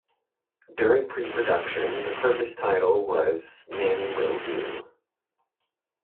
During pre-production, the proposed title was "Nanny Will Do".